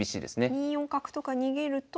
２四角とか逃げると。